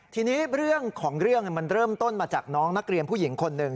ทีนี้เรื่องของเรื่องมันเริ่มต้นมาจากน้องนักเรียนผู้หญิงคนหนึ่ง